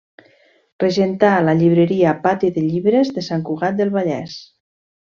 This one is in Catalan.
Regentà la llibreria Pati de Llibres de Sant Cugat del Vallès.